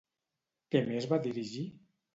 Què més va dirigir?